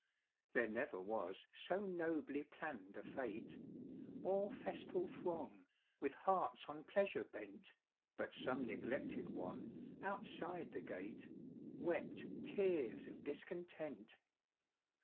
There never was so nobly planned a fête, Or festal throng with hearts on pleasure bent, But some neglected one outside the gate Wept tears of discontent.